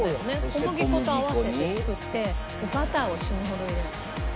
小麦粉と合わせて作ってバターを死ぬほど入れるの。